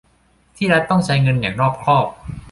ที่รัฐต้องใช้เงินอย่างรอบคอบ